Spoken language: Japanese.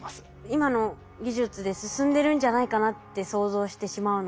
今の技術で進んでるんじゃないかなって想像してしまうので。